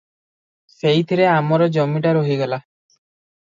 ସେଇଥିରେ ଆମର ଜମିଟା ରହିଗଲା ।